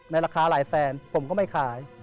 ราคาหลายแสนผมก็ไม่ขาย